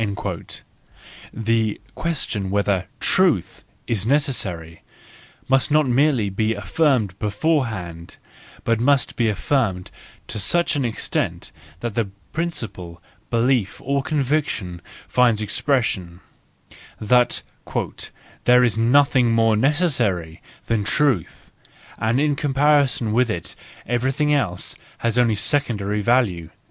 The question whether truth is neces¬ sary, must not merely be affirmed beforehand, but must be affirmed to such an extent that the principle, belief, or conviction finds expres¬ sion, that " there is nothing more necessary than truth, and in comparison with it everything else has only a secondary value."